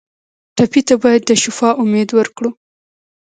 ټپي ته باید د شفا امید ورکړو.